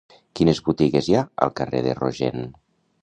Quines botigues hi ha al carrer de Rogent?